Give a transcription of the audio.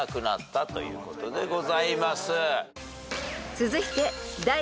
［続いて］